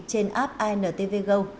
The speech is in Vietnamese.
trên app intv go